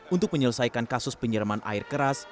untuk menyelesaikan kasus penyeraman air keras